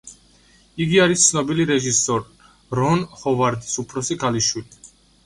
იგი არის ცნობილი რეჟისორ რონ ჰოვარდის უფროსი ქალიშვილი.